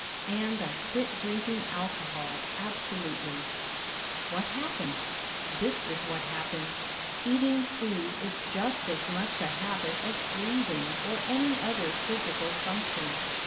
And I quit drinking alcohol absolutely. What happened? This is what happened: Eating food is just as much a habit as breathing or any other physical function.